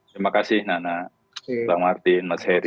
terima kasih nana bang martin mas heri